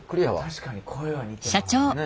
確かに声は似てますね。